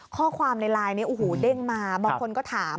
ข้อความในไลน์เด้งมาบางคนก็ถาม